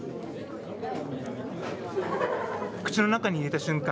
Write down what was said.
口の中に入れた瞬間